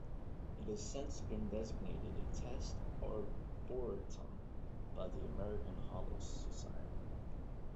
It has since been designated a test arboretum by the American Holly Society.